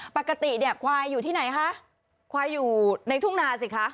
ปกติเนี่ยควายอยู่ที่ไหนคะควายอยู่ในทุ่งนาสิคะ